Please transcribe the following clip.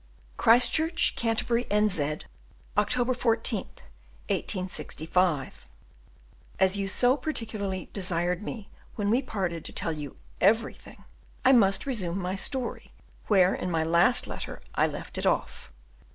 Christchurch, Canterbury, N. Z. October 14th, 1865. As you so particularly desired me when we parted to tell you everything, I must resume my story where in my last letter I left it off.